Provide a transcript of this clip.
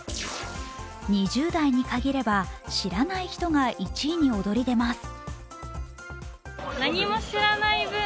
２０代に限れば、知らない人が１位に躍り出ます。